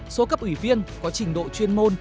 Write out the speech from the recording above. số cấp ủy viên có trình độ chuyên môn